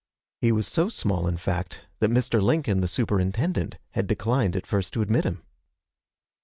He was so small, in fact, that Mr. Lincoln, the Superintendent, had declined at first to admit him.